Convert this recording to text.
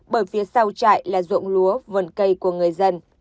bởi phía sau trại là ruộng lúa vườn cây của người dân